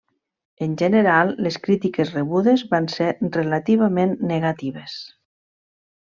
En general, les crítiques rebudes van ser relativament negatives.